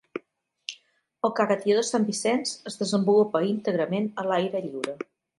El Caga Tió de Sant Vicenç es desenvolupa íntegrament a l'aire lliure.